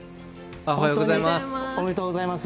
おめでとうございます。